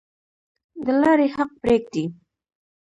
د لارې حق پریږدئ؟